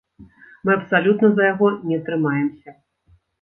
Мы абсалютна за яго не трымаемся.